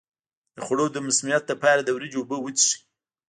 د خوړو د مسمومیت لپاره د وریجو اوبه وڅښئ